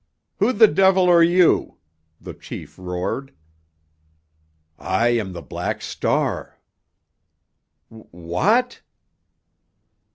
"Who the devil are you?" the chief roared. "I am the Black Star!" "W what?"